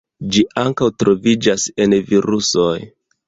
Ĝi ankaŭ troviĝas en virusoj.